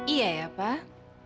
iya ya pak